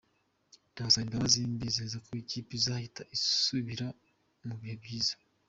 Ndabasaba imbabazi mbizeza ko ikipe izahita isubira mu bihe byiza.